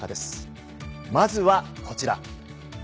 まずはこちら。